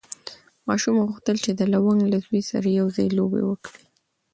ماشوم غوښتل چې د لونګ له زوی سره یو ځای لوبه وکړي.